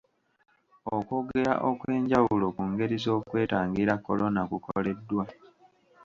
Okwogera okw'enjawulo ku ngeri z'okwetangira kolona kukoleddwa.